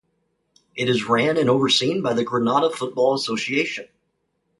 It is ran and overseen by the Grenada Football Association.